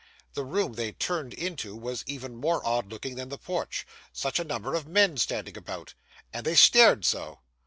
The room they turned into was even more odd looking than the porch. Such a number of men standing about! And they stared so!